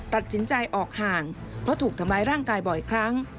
ตัดสินใจออกห่างเพราะถูกทำร้ายร่างกายบ่อยครั้ง